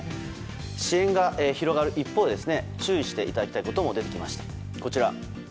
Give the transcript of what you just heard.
支援が広がる一方注意していただきたいことも出てきました。